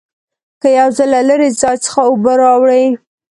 که یو ځل له لرې ځای څخه اوبه راوړې.